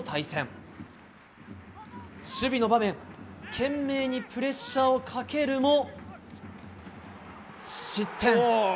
懸命にプレッシャーをかけるも失点。